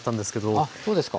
あそうですか。